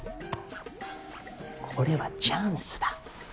これはチャンスだ。